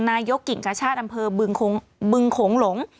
นายกกิ่งกชาติอำเภอบึงบึงโขงหลง